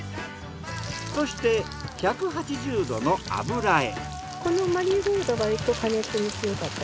そして１８０℃の油へ。